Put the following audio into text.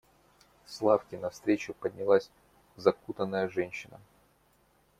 С лавки навстречу поднялась закутанная женщина.